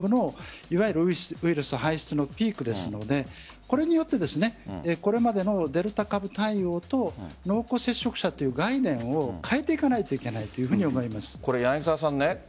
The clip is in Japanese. ただ、実際に私たち日本で経験したオミクロン株のいわゆるウイルス排出のピークですのでこれによってこれまでのデルタ株対応と濃厚接触者という概念を変えていかないといけないというふうに思います。